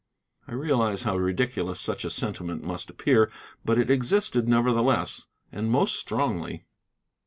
I realize how ridiculous such a sentiment must appear, but it existed nevertheless, and most strongly.